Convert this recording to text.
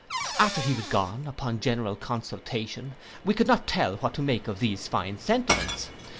After he was gone, upon general consultation, we could not tell what to make of these fine sentiments.